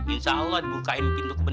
insya allah dibukain pintu kemuzin